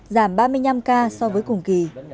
giảm ba mươi năm ca so với cùng kỳ